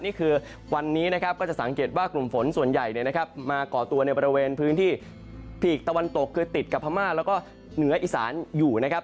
นี่คือวันนี้นะครับก็จะสังเกตว่ากลุ่มฝนส่วนใหญ่มาก่อตัวในบริเวณพื้นที่ปีกตะวันตกคือติดกับพม่าแล้วก็เหนืออีสานอยู่นะครับ